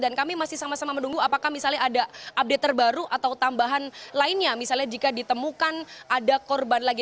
dan kami masih sama sama menunggu apakah misalnya ada update terbaru atau tambahan lainnya misalnya jika ditemukan ada korban lagi